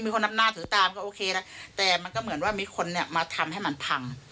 คนนับหน้าถือตามก็โอเคนะแต่มันก็เหมือนว่ามีคนเนี่ยมาทำให้มันพัง